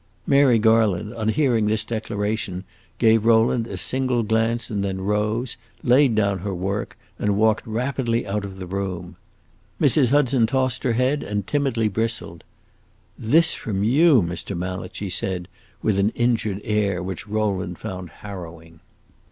Mary Garland, on hearing this declaration, gave Rowland a single glance and then rose, laid down her work, and walked rapidly out of the room. Mrs. Hudson tossed her head and timidly bristled. "This from you, Mr. Mallet!" she said with an injured air which Rowland found harrowing.